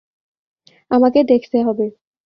আমাকে দেখতে হবে।